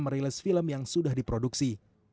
merilis film yang sudah diproduksi